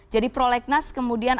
jadi prolegnas kemudian